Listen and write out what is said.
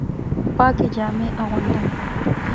پاکې جامې اغوندم